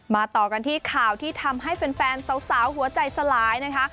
ต่อกันที่ข่าวที่ทำให้แฟนสาวหัวใจสลายนะคะ